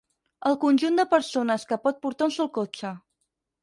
El conjunt de persones que pot portar un sol cotxe.